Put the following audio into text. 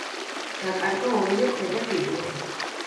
დაკარგა ორივე ქვედა კიდური.